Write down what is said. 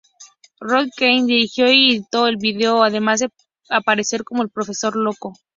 Ron Kennedy dirigió y editó el video, además de aparecer como el profesor loco.